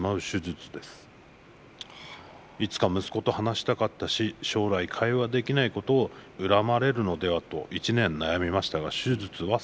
いつか息子と話したかったし将来会話できないことを恨まれるのではと１年悩みましたが手術は成功。